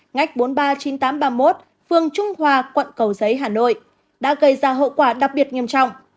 ngách bốn trăm ba mươi chín nghìn tám trăm ba mươi một phường trung hòa quận cầu giấy hà nội đã gây ra hậu quả đặc biệt nghiêm trọng